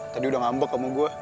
tadi udah ngambek sama gua